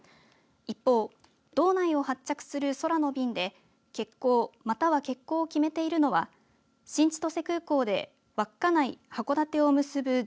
一方、道内を発着する空の便で欠航、または欠航を決めているのは新千歳空港で稚内、函館を結ぶ１０